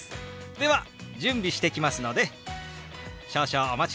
では準備してきますので少々お待ちください。